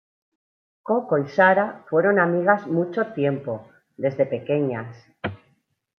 Coco y Sara fueron amigas mucho tiempo, desde pequeñas.